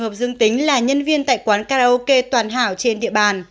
hợp dương tính là nhân viên tại quán karaoke toàn hảo trên địa bàn